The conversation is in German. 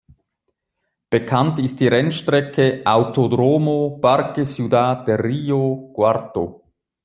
Bekannt ist die Rennstrecke "Autódromo Parque Ciudad de Río Cuarto".